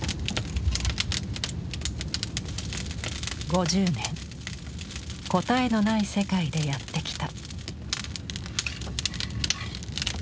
５０年答えのない世界でやってきた。